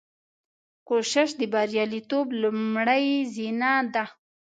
کوشش د بریالیتوب لومړۍ زینه ده.